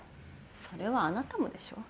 それはあなたもでしょ。